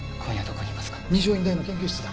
二条院大の研究室だ。